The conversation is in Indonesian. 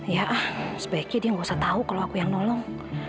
ya ah sebaiknya dia nggak usah tahu kalau aku yang nolong